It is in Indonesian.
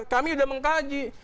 kami udah mengkaji